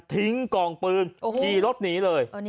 ทิ้งกล่องปืนขี่รถหนีเลย